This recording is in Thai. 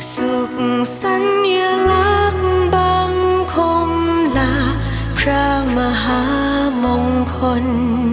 สุขสัญลักษณ์บังคมนาพระมหามงคล